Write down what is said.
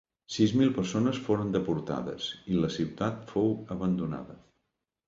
Sis mil persones foren deportades, i la ciutat fou abandonada.